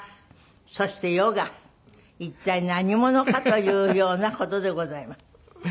一体何者かというような事でございます。